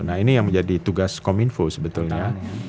nah ini yang menjadi tugas kominfo sebetulnya